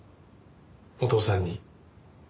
お父さんに。